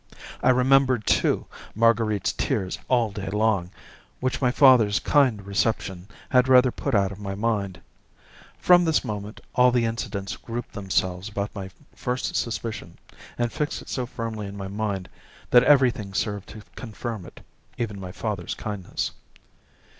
I remembered, too, Marguerite's tears all day long, which my father's kind reception had rather put out of my mind. From this moment all the incidents grouped themselves about my first suspicion, and fixed it so firmly in my mind that everything served to confirm it, even my father's kindness.